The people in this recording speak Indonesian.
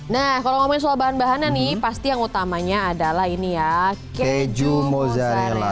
nah kalau ngomongin soal bahan bahannya nih pasti yang utamanya adalah ini ya keju mozzarel